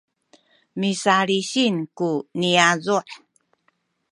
misalisin ku niyazu’